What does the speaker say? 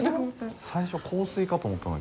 最初香水かと思ったんだけど。